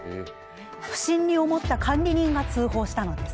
不審に思った管理人が通報したのです。